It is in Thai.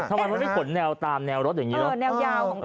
ทำไมมันไม่ขนแนวตามแนวรถอย่างนี้เหรอ